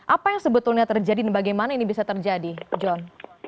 apa yang sebetulnya terjadi dan bagaimana ini bisa terjadi john